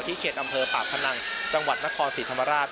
เขตอำเภอปากพนังจังหวัดนครศรีธรรมราช